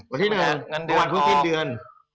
วันที่หนึ่งวันพรุ่งขึ้นเดือน